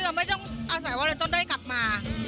เราไม่ต้องอาศัยว่าเราต้องได้กลับมา